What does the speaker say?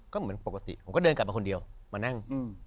ก็เหมือนปกติผมก็เดินกลับมาคนเดียวมานั่ง